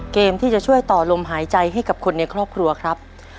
เกมที่จะช่วยต่อลมหายใจให้กับคนในครอบครัวครับ